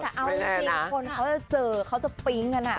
แต่เอาจริงคนเขาจะเจอเขาจะปิ๊งกัน